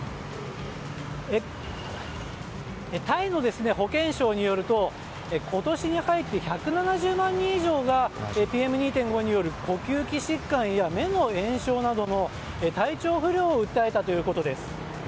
タイの保健省によると今年に入って１７０万人以上がＰＭ２．５による呼吸器疾患や目の炎症などの体調不良を訴えたということです。